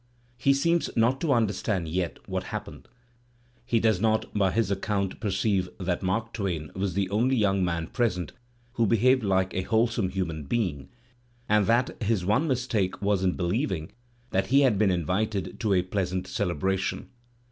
He seems not to understand yet what happened; he does not, by his account, perceive that Mark Twain was the only young man present who behaved like a wholesome human being, and that his one mistake was in beUeving that he had been invited to a pleasant celebration